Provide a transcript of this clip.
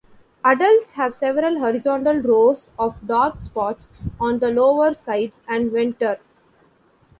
Adults have several horizontal rows of dark spots on the lower sides and venter.